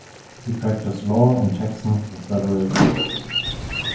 He practiced law in Jackson for several years.